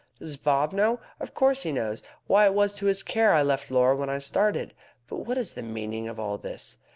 "Does Bob know? Of course he knows. Why, it was to his care I left Laura when I started. But what is the meaning of all this?